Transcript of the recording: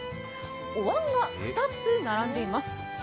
おわんが２つ並んでいます。